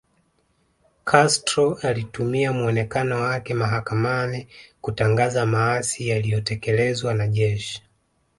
Castro alitumia muonekano wake mahakamani kutangaza maasi yaliyotekelezwa na jeshi